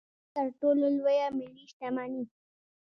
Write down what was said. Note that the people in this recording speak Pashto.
زموږ تر ټولو لویه ملي شتمني.